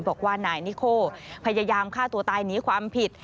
บอกว่านายนิโคพยายามฆ่าตัวตายหนีความผิด